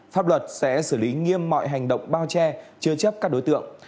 pháp luật sẽ xử lý nghiêm mọi hành động bao che chứa chấp các đối tượng